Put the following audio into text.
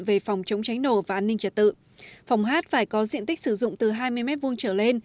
về phòng chống cháy nổ và an ninh trật tự phòng hát phải có diện tích sử dụng từ hai mươi m hai trở lên